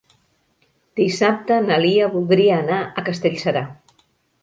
Dissabte na Lia voldria anar a Castellserà.